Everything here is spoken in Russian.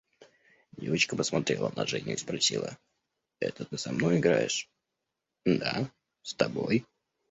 Девочка посмотрела на Женю и спросила: – Это ты со мной играешь? – Да, с тобой.